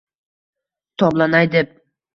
Toblanay deb